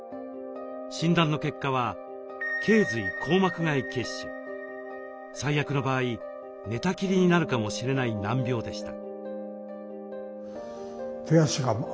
診断の結果は最悪の場合寝たきりになるかもしれない難病でした。